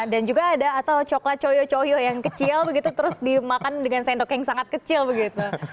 dan juga ada atau coklat coyok coyok yang kecil begitu terus dimakan dengan sendok yang sangat kecil begitu